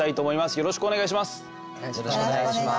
よろしくお願いします。